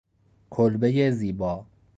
کلبهی زیبا